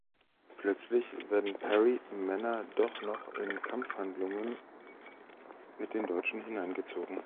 Plötzlich werden Perry Männer doch noch in Kampfhandlungen mit den Deutschen hineingezogen.